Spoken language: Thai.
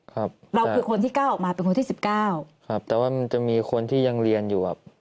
ครับเราคือคนที่เก้าออกมาเป็นคนที่สิบเก้าครับแต่ว่ามันจะมีคนที่ยังเรียนอยู่ครับ